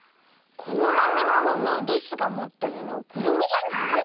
こののみもののりすがもってるのくるみじゃない？